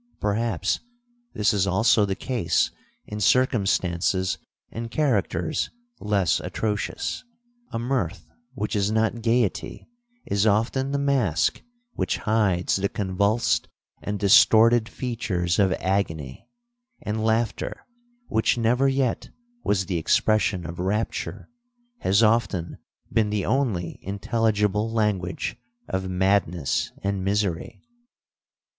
Perhaps this is also the case in circumstances and characters less atrocious. A mirth which is not gaiety is often the mask which hides the convulsed and distorted features of agony—and laughter, which never yet was the expression of rapture, has often been the only intelligible language of madness and misery.